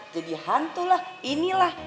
jadi hantu lah inilah